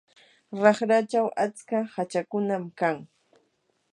raqrachaw atska hachakunam kan.